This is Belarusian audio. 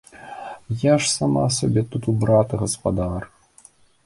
Я ж сама сабе тут у брата гаспадар.